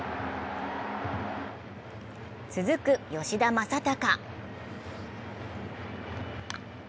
続く吉田正尚。